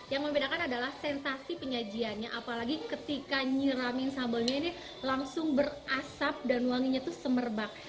yang membedakan adalah sensasi penyajiannya apalagi ketika nyiramin sambalnya ini langsung berasap dan wanginya itu semerbak